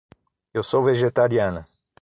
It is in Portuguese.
Eu sou vegetariana.